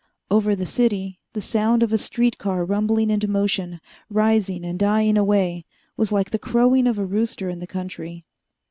Over the city, the sound of a street car rumbling into motion, rising and dying away, was like the crowing of a rooster in the country.